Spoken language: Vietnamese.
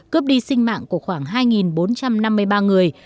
cướp đi sinh mạng của khoảng hai bốn trăm năm mươi ba người